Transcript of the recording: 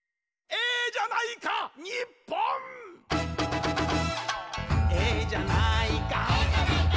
「ええじゃないかえじゃないか」